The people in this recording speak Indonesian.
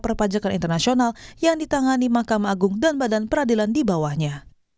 perpajakan internasional yang ditangani mahkamah agung dan badan peradilan di bawahnya